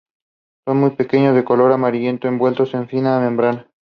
Son muy pequeños, de color amarillo, envueltos en una fina membrana.